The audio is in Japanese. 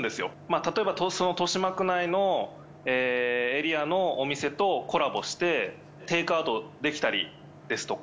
たとえば豊島区内のエリアのお店とコラボしてテイクアウトできたりですとか。